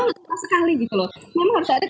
lezat sekali gitu loh memang harus ada